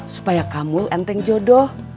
supaya kamu enteng jodoh